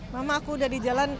mama aku udah di jalan